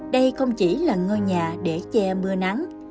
đây không chỉ là ngôi nhà để che mưa nắng